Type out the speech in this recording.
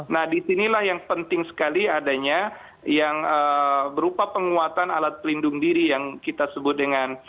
nah disinilah yang penting sekali adanya yang berupa penguatan alat pelindung diri yang kita sebut dengan